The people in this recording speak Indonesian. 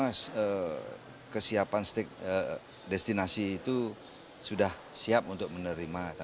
karena kesiapan destinasi itu sudah siap untuk menerima